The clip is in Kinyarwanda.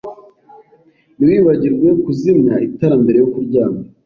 Ntiwibagirwe kuzimya itara mbere yo kuryama.